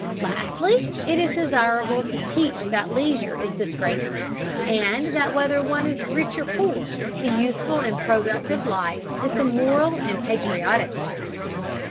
Lastly, it is desirable to teach that leisure is disgraceful, and that whether one is rich or poor, the useful and productive life is the moral and patriotic life.